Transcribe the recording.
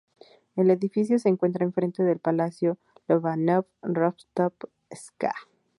El edificio se encuentra enfrente del palacio Lobanov-Rostovska.